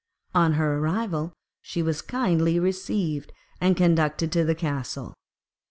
On her arrival she was kindly received, and conducted to the castle.